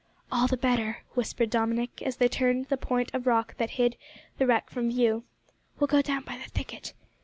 "All the better," whispered Dominick, as they turned the point of rock that hid the wreck from view. "We'll go down by the thicket.